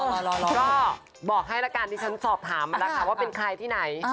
ก็บอกให้ละกันที่ฉันสอบถามมาแล้วค่ะว่าเป็นใครที่ไหน